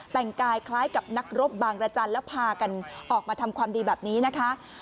แต่งกายคล้ายกับนักรบบางรจันทร์แล้วพากันออกมาทำความดีแบบนี้นะคะ